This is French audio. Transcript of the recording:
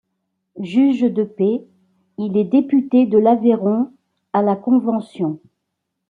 Juge de paix, il est député de l'Aveyron à la Convention.